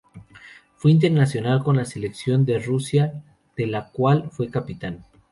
Fue internacional con la selección de Rusia, de la cual fue capitán.